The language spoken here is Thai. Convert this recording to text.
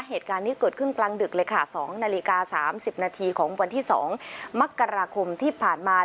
เหตุการณ์นี้เกิดขึ้นกลางดึกเลยค่ะ๒นาฬิกา๓๐นาทีของวันที่๒มกราคมที่ผ่านมา